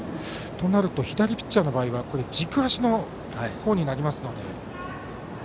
となると、左ピッチャーの場合軸足になりますので。